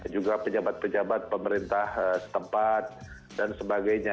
juga pejabat pejabat pemerintah setempat dan sebagainya